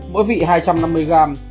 mỗi vị hai trăm năm mươi g